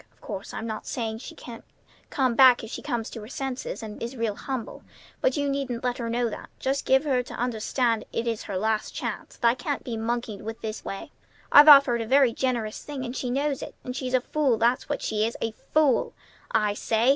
Of course, I'm not saying she can't come back if she comes to her senses, and is real humble; but you needn't let her know that. Just give her to understand it is her last chance, that I can't be monkeyed with this way. I've offered her a very generous thing, and she knows it, and she's a fool, that's what she is, a fool I say!"